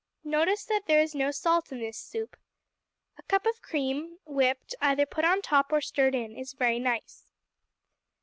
Notice that there is no salt in this soup. A cup of cream, whipped, either put on top or stirred in, is very nice.